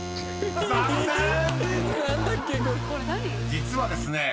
［実はですね